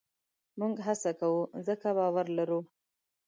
موږ هڅه کوو؛ ځکه باور لرو.